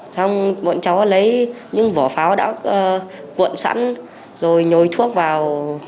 xong bọn cháu lấy những vỏ pháo đã cuộn sẵn rồi nhồi thuốc vào